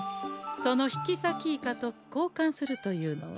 その引きさきイカとこうかんするというのは？